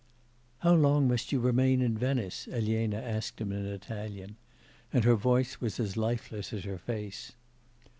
'How long must you remain at Venice?' Elena asked him in Italian. And her voice was as lifeless as her face.